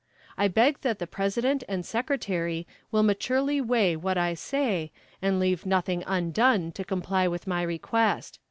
I beg that the President and Secretary will maturely weigh what I say, and leave nothing undone to comply with my request.